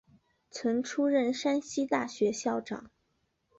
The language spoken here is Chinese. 曾出任山西大学校长。